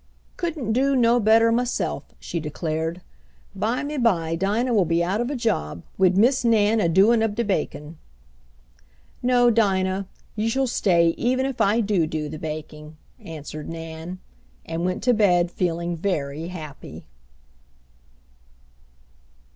"Couldn't do no better maself," she declared. "Bymeby Dinah will be cut out of a job wid Miss Nan a doin' ob de bakin'." "No, Dinah, you shall stay even if I do do the baking," answered Nan; and went to bed feeling very happy.